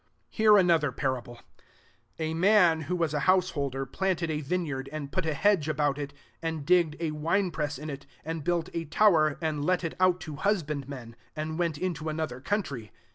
33 "Hear another parable: A man, who was a householderi planted a vineyard, and put a hedge about it, and digged a winepress in it, and built a tow er, and let it out to husband* men, and went into another country.